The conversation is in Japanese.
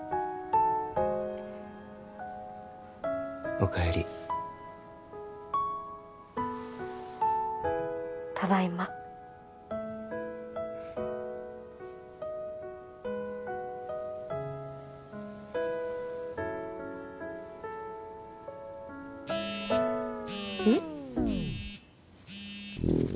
おかえりただいまうん？